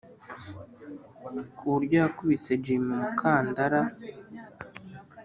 ku buryo yakubise jim umukarndara